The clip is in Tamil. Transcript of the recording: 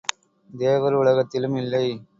தேவர் உலகத்திலும் இல்லை!